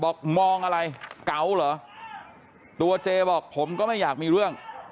บอกมองอะไรเก๋าเหรอตัวเจบอกผมก็ไม่อยากมีเรื่อง